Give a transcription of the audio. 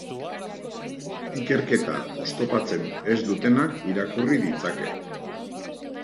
Ikerketa oztopatzen ez dutenak irakurri ditzake.